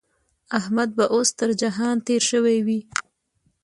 احمد به اوس تر جهان تېری شوی وي.